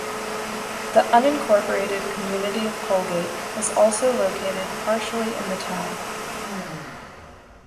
The unincorporated community of Colgate is also located partially in the town.